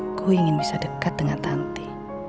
aku ingin bisa dekat dengan tante